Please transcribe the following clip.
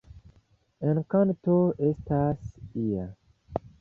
En kanto estas ia.